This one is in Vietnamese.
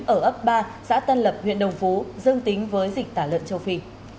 ở ấp ba xã tân lập huyện đồng phú dương tính với dịch tả lợn châu phi